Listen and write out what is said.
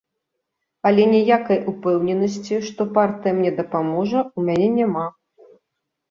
Але ніякай упэўненасці, што партыя мне дапаможа, у мяне няма.